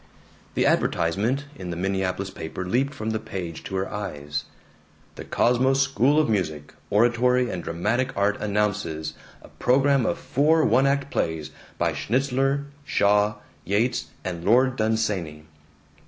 The advertisement in the Minneapolis paper leaped from the page to her eyes: The Cosmos School of Music, Oratory, and Dramatic Art announces a program of four one act plays by Schnitzler, Shaw, Yeats, and Lord Dunsany.